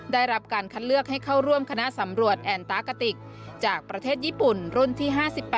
ได้รับการคัดเลือกให้เข้าร่วมคณะสำรวจแอนตาร์กะติกจากประเทศญี่ปุ่นรุ่นที่๕๘